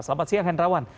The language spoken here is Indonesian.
selamat siang henrawan